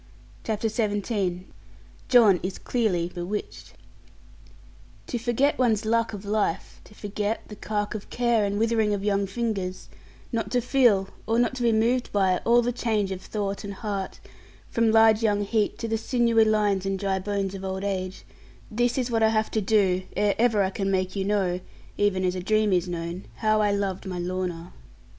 CHAPTER XVII JOHN IS CLEARLY BEWITCHED To forget one's luck of life, to forget the cark of care and withering of young fingers; not to feel, or not be moved by, all the change of thought and heart, from large young heat to the sinewy lines and dry bones of old age this is what I have to do ere ever I can make you know (even as a dream is known) how I loved my Lorna.